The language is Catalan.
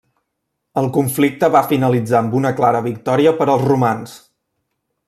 El conflicte va finalitzar amb una clara victòria per als romans.